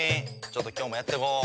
ちょっと今日もやってこう。